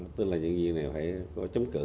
tức là nhân viên này phải có chống cự